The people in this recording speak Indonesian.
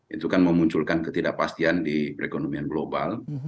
itu kan memunculkan ketidakpastian di perekonomian global